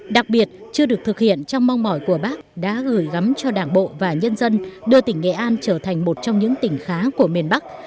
đặc biệt chưa được thực hiện trong mong mỏi của bác đã gửi gắm cho đảng bộ và nhân dân đưa tỉnh nghệ an trở thành một trong những tỉnh khá của miền bắc